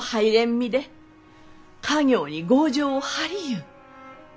身で家業に強情を張りゆう。